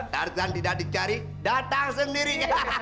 tarzan tidak dicari datang sendiri